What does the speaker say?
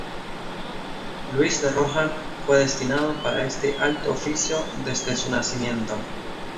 Louis de Rohan fue destinado para este alto oficio desde su nacimiento.